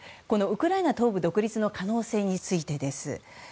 このウクライナ東部独立の可能性についてです。